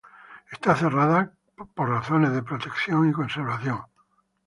Está cerrada por razones de protección y conservación.